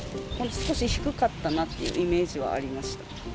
少し低かったなってイメージはありました。